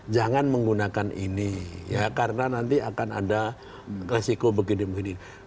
jangan menggunakan ini ya karena nanti akan ada resiko begini begini